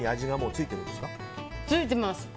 ついてます。